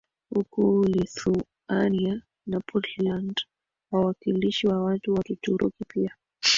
huko Lithuania na Poland Wawakilishi wa watu wa Kituruki pia